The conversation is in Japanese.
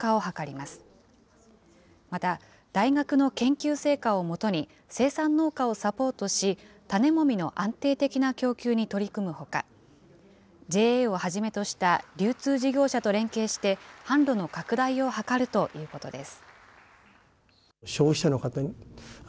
また、大学の研究成果をもとに生産農家をサポートし、種もみの安定的な供給に取り組むほか、ＪＡをはじめとした流通事業者と連携して、販路の拡大を図るということです。